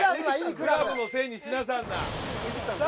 クラブのせいにしなさんな。